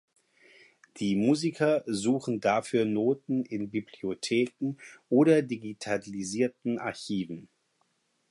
Die Musiker suchen dafür Noten in Bibliotheken oder digitalisierten Archiven.